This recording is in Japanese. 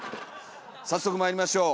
早速まいりましょう。